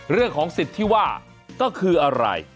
เรื่องของสิทธิ์ที่ว่าก็คืออะไร